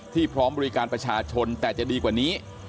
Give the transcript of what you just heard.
พร้อมบริการประชาชนแต่จะดีกว่านี้